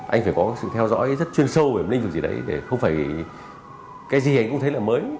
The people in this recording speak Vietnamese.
anh phải có sự theo dõi rất chuyên sâu về một lĩnh vực gì đấy để không phải cái gì anh cũng thấy là mới